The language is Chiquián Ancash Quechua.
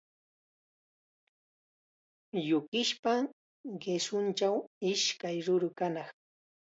Yukispa qishunchaw ishkay ruru kanaq.